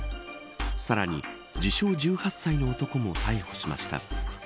さらに自称１８歳の男も逮捕しました。